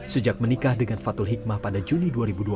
sejak menikah dengan fatul hikmah pada juni dua ribu dua puluh